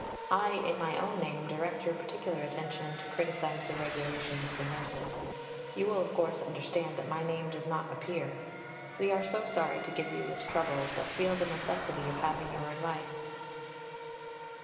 I, in my own name, direct your particular attention to criticize the Regulations for Nurses. You will of course understand that my name does not appear. We are so sorry to give you this trouble, but feel the necessity of having your advice.